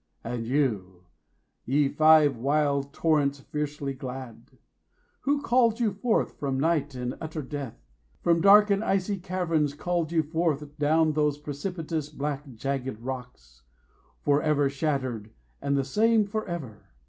And you, ye five wild torrents fiercely glad! Who called you forth from night and utter death, 40 From dark and icy caverns called you forth, Down those precipitous, black, jaggèd rocks, For ever shattered and the same for ever?